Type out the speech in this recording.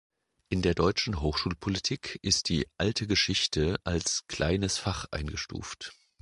In der deutschen Hochschulpolitik ist die Alte Geschichte als Kleines Fach eingestuft.